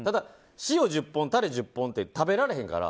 塩１０本、タレ１０本って食べられへんから。